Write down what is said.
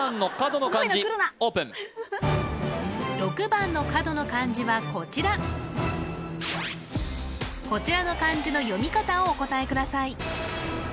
６番の角の漢字はこちらこちらの漢字の読み方をお答えください